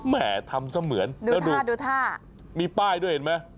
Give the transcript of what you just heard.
แหมทำเสมือนแล้วดูท่ามีป้ายด้วยเห็นไหม